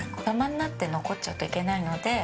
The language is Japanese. だまになって残っちゃうといけないので。